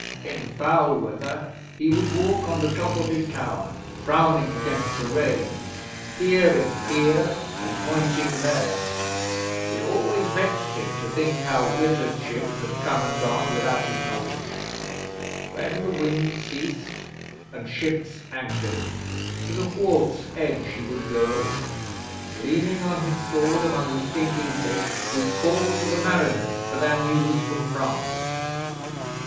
In foul weather he would walk on the top of his tower, frowning against the rain peering here and pointing there. It always vexed him to think how Witta's ship had come and gone without his knowledge. When the wind ceased and ships anchored, to the wharf's edge he would go and, leaning on his sword among the stinking fish, would call to the mariners for their news from France.